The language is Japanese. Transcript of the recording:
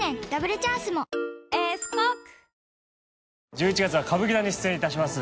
１１月は歌舞伎座に出演いたします。